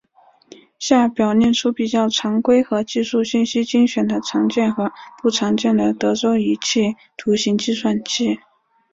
下表列出比较常规和技术信息精选的常见和不常见的德州仪器图形计算器。